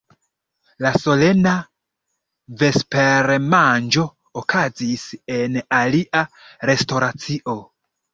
La solena vespermanĝo okazis en alia restoracio.